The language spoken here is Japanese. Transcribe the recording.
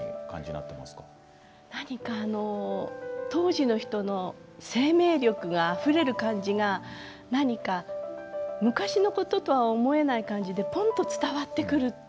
なにか、当時の人の生命力があふれる感じが昔のこととは思えない感じでぽんと伝わってくる。